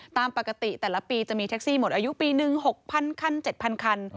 ตามปกติแต่ละปีจะมีแท็กซี่หมดอายุปีหนึ่ง๖๐๐คัน๗๐๐คัน